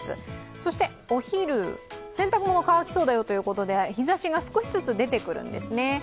そして、お昼、洗濯物は乾きそうだよということで日ざしが少しずつ出てくるんですね。